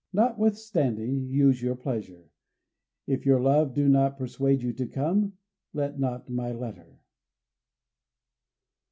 Notwithstanding, use your pleasure; if your love do not persuade you to come, let not my letter."